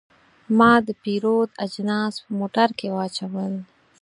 ما د پیرود اجناس په موټر کې واچول.